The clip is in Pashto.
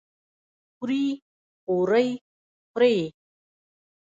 خوري خورۍ خورې؟